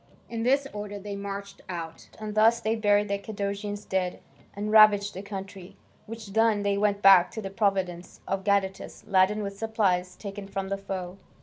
In this order they marched out, and thus they buried the Cadousian dead and ravaged the country. Which done, they went back to the province of Gadatas, laden with supplies taken from the foe.